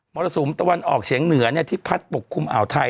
มอศูนย์ตะวันออกเฉียงเหนือที่พัฒน์ปกคลุมเอาไทย